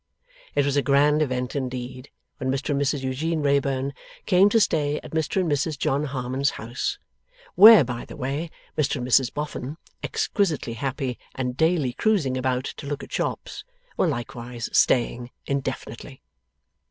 It was a grand event, indeed, when Mr and Mrs Eugene Wrayburn came to stay at Mr and Mrs John Harmon's house: where, by the way, Mr and Mrs Boffin (exquisitely happy, and daily cruising about, to look at shops,) were likewise staying indefinitely.